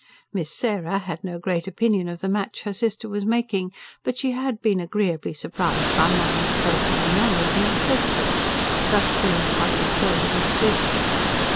Miss Sarah had no great opinion of the match her sister was making; but she had been agreeably surprised by Mahony's person and manners, and had said so, thus filling Polly's soul with bliss.